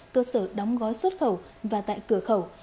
cơ sở đóng gói xuất khẩu và tại cửa khẩu